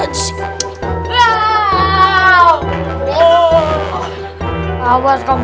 awas kamu mau aku balas nanti